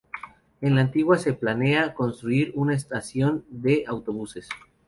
En la antigua se planea construir una estación de autobuses.